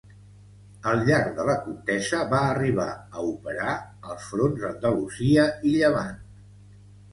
Al llarg de la contesa va arribar a operar als fronts d'Andalusia i Llevant.